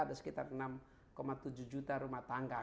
ada sekitar enam tujuh juta rumah tangga